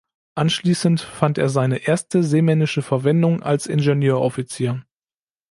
Anschließend fand er seine erste seemännische Verwendung als Ingenieuroffizier.